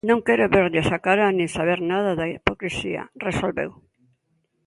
Non quero verlles a cara nin saber nada da hipocrisía, resolveu.